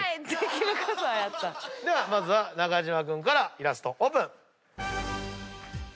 まずは中島君からイラストオープン。